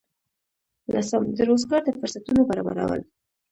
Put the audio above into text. لسم: د روزګار د فرصتونو برابرول.